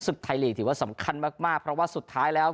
ไทยลีกถือว่าสำคัญมากมากเพราะว่าสุดท้ายแล้ว